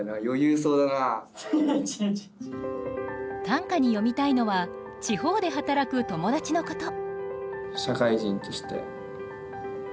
短歌に詠みたいのは地方で働く友達のこと。